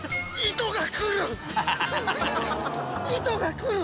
糸が来る！